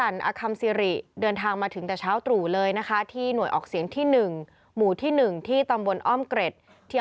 ที่อำเภอปากเกร็ด